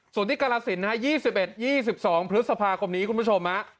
ส่วนที่กรสินทร์นะครับยี่สิบเอ็ดยี่สิบสองพฤษภาคมนี้คุณผู้ชมนะ